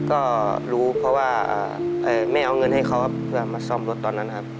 ก็รู้เพราะว่าแม่เอาเงินให้เขาครับเพื่อมาซ่อมรถตอนนั้นครับ